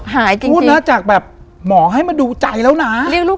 หายจริงจริงต้องตั้งจากแบบหมอให้มาดูใจแล้วน่ะเรียกลูก